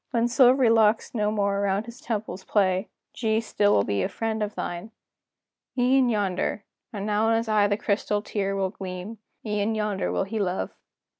When silvery locks no more around his temples play, G still will be a friend of thine!" "E'en yonder" and now in his eye the crystal tear Will gleam "e'en yonder he will love!